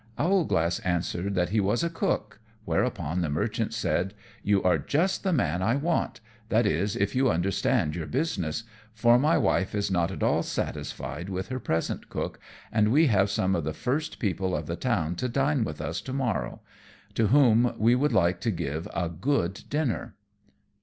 Owlglass answered that he was a cook; whereupon the Merchant said, "You are just the man I want, that is, if you understand your business; for my wife is not at all satisfied with her present cook, and we have some of the first people of the town to dine with us to morrow, to whom we would like to give a good dinner."